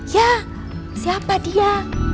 ya siapa dia